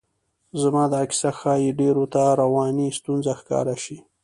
زما دا کیسه ښایي ډېرو ته رواني ستونزه ښکاره شي.